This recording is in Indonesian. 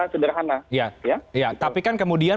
sederhana ya tapi kan kemudian